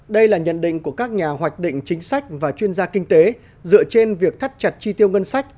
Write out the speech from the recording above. đây là nhận định của các nhà hoạch định chính sách và chuyên gia kinh tế dựa trên việc thắt chặt chi tiêu ngân sách